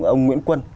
ông nguyễn quân